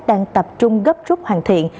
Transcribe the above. đang tập trung gấp rút hoàn thiện